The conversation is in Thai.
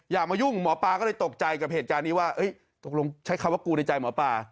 มายุ่งหมอปลาก็เลยตกใจกับเหตุการณ์นี้ว่าตกลงใช้คำว่ากูในใจหมอปลา